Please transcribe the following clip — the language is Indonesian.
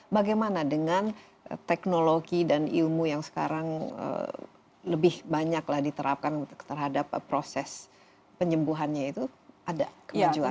bagaimana dengan teknologi dan ilmu yang sekarang lebih banyaklah diterapkan terhadap proses penyembuhannya itu ada kemajuan